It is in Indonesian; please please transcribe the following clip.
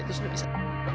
itu sudah bisa